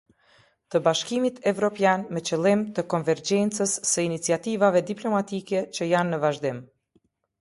Të Bashkimit Evropian me qëllim të konvergjencës së iniciativave diplomatike që janë në vazhdim.